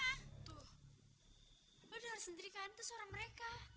lo udah denger sendirikan itu suara mereka